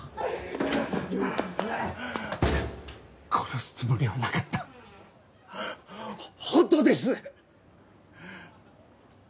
殺すつもりはなかった本当です！